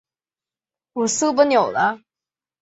法氏口虾蛄为虾蛄科口虾蛄属下的一个种。